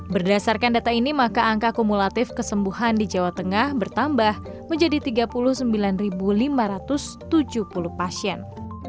berdasarkan data ini maka angka kumulatif kesembuhan di jawa tengah bertambah menjadi tiga puluh sembilan lima ratus tujuh puluh pasien